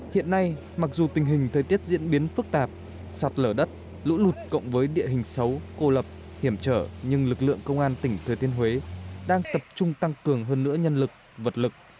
hiện nay mặc dù tình hình thời tiết diễn biến phức tạp sạt lở đất lũ lụt cộng với địa hình xấu cô lập hiểm trở nhưng lực lượng công an tỉnh thừa thiên huế đang tập trung tăng cường hơn nữa nhân lực vật lực